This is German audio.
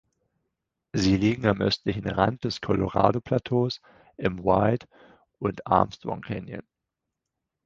Sie liegen am östlichen Rand des Colorado-Plateaus im White und Armstrong Canyon.